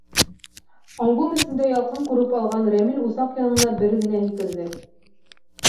Альбом эсендә ялҡын күреп алған Рәмил усаҡ янына бер генә һикерҙе.